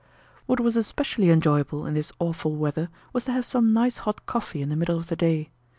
What was especially enjoyable in this awful weather was to have some nice hot coffee in the middle of the day.